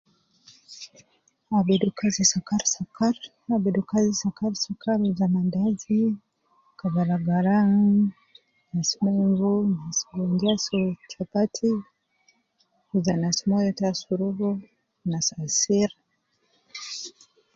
Abidu kazi sakar sakar, abidu kazi sakar sakar ja manadazi, kabalagala, sunu nas gonna soo chapati, ja nas moyo ta asurubu, nas asir